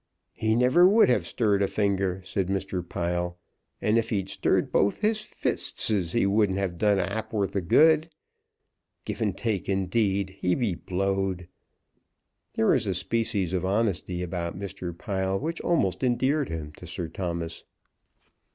"He never would have stirred a finger," said Mr. Pile; "and if he'd stirred both his fistesses, he wouldn't have done a ha'porth of good. Givantake, indeed! He be blowed!" There was a species of honesty about Mr. Pile which almost endeared him to Sir Thomas.